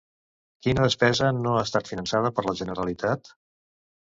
Quina despesa no ha estat finançada per la Generalitat?